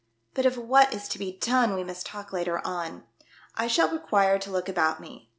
But of what is to be done we must talk later on. I shall require to look about me.